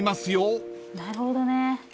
なるほどね。